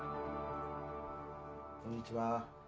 こんにちは。